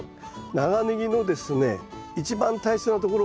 長ネギのですね一番大切なところはですね